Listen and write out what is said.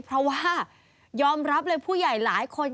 เพราะว่ายอมรับเลยผู้ใหญ่หลายคน